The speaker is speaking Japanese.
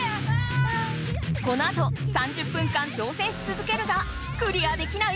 このあと３０分間挑戦しつづけるがクリアできない